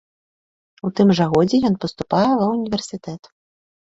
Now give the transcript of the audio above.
У тым жа годзе ён паступае ва ўніверсітэт.